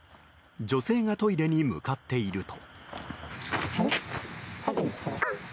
女性がトイレに向かっていると。